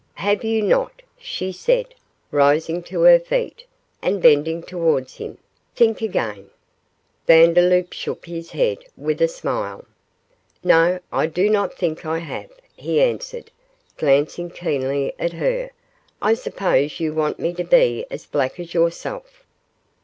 'Have you not?' she said, rising to her feet, and bending towards him, 'think again.' Vandeloup shook his head, with a smile. 'No, I do not think I have,' he answered, glancing keenly at her; 'I suppose you want me to be as black as yourself?